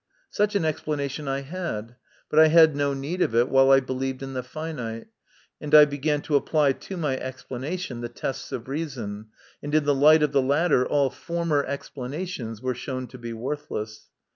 Such an explanation I had, but I had no need of it while I believed in the finite, and I began to apply to my explanation the tests of reason, and in the light of the latter all former explanations were shown to be worthless.